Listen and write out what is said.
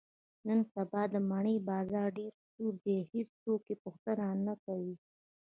نن سبا د مڼې بازار ډېر سوړ دی، هېڅوک یې پوښتنه نه کوي.